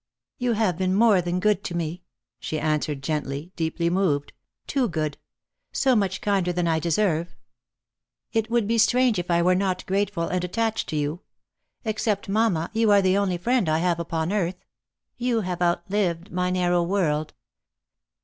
"" You have been more than good to me," she answered gently, deeply moved; "too good; so much kinder than I deserve. It would be strange if I were not grateful and attached to you. Except mamma, you are the only friend I have upon earth. You have outlived my narrow world."